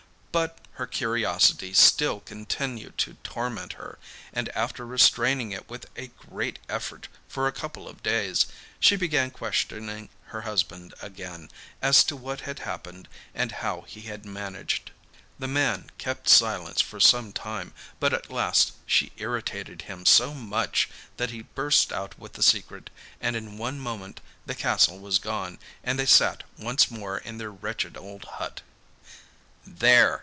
But her curiosity still continued to torment her, and after restraining it with a great effort for a couple of days, she began questioning her husband again, as to what had happened, and how he had managed. The man kept silence for some time, but at last she irritated him so much that he burst out with the secret, and in one moment the castle was gone, and they sat once more in their wretched old hut. 'There!